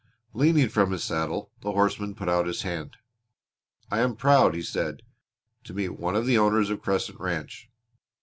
Leaning from his saddle the horseman put out his hand. "I am proud," he said, "to meet one of the owners of Crescent Ranch.